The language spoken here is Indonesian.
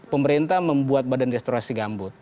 pemerintah membuat badan restorasi gambut